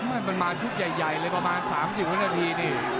มันมาชุดใหญ่เลยประมาณ๓๐วินาทีนี่